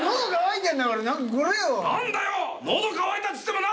何だよ喉渇いたっつってもな。